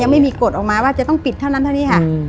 ไม่มีกฎออกมาว่าจะต้องปิดเท่านั้นเท่านี้ค่ะ